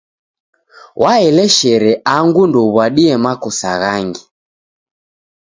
Waeleshere angu ndouw'adie makosa ghangi.